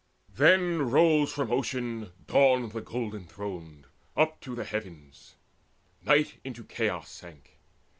Then rose from Ocean Dawn the golden throned Up to the heavens; night into Chaos sank.